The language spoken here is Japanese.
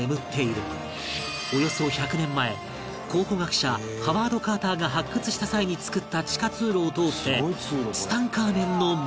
およそ１００年前考古学者ハワード・カーターが発掘した際に作った地下通路を通ってツタンカーメンのもとへ